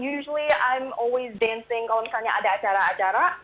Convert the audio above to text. usually i'm always dancing kalau misalnya ada acara acara